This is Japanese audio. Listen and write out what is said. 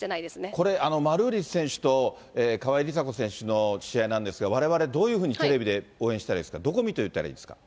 これ、マルーリス選手と川井梨紗子選手の試合なんですが、われわれ、どういうふうにテレビで応援したらいいですか？